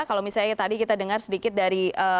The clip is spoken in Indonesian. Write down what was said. kalau misalnya tadi kita dengar sedikit dari